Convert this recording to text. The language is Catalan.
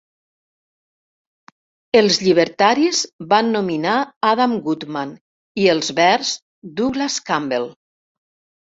Els llibertaris van nominar Adam Goodman i els verds Douglas Campbell.